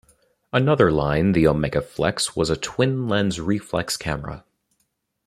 Another line, the Omegaflex, was a twin-lens reflex camera.